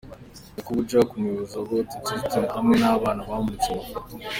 Yakubu Jack, Umuyobozi Wa Goethe Institute, hamwe n’abana bamuritse amafoto.